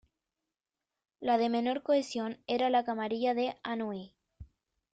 La de menor cohesión era la camarilla de Anhui.